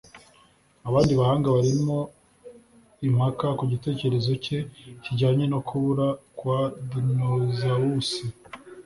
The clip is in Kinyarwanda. Abandi bahanga barimo impaka ku gitekerezo cye kijyanye no kubura kwa dinozawusi